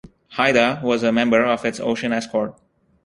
"Haida" was a member of its ocean escort.